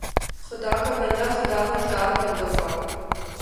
خدا کا بندہ، خداوندگار بندوں کا